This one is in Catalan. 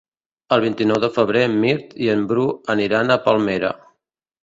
El vint-i-nou de febrer en Mirt i en Bru aniran a Palmera.